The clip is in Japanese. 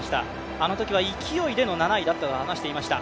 あのときは勢いでの７位だったと話していました。